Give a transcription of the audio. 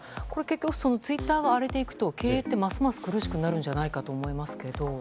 ツイッターが荒れていくと経営がますます苦しくなるんじゃないかと思いますが。